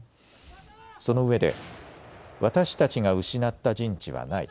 そのうえで私たちが失った陣地はない。